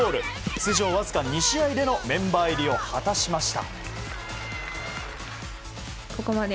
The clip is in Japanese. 出場わずか２試合でのメンバー入りを果たしました。